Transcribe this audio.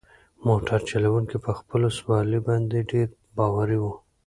موټر چلونکی په خپلو سوارلۍ باندې ډېر باوري و.